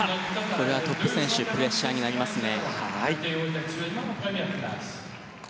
これはトップ選手プレッシャーになりますね。